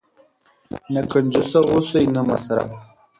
نه کنجوس اوسئ نه مسرف.